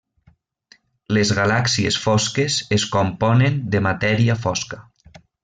Les galàxies fosques es componen de matèria fosca.